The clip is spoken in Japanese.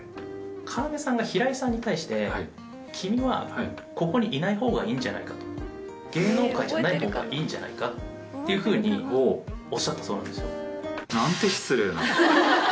要さんが平井さんに対して、君はここにいないほうがいいんじゃないかと、芸能界じゃないほうがいいんじゃないかっていうふうにおっしゃっなんて失礼な。